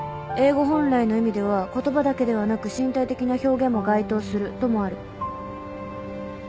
「英語本来の意味では言葉だけではなく身体的な表現も該当する」ともある。